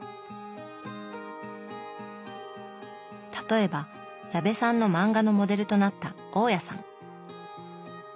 例えば矢部さんの漫画のモデルとなった大家さん。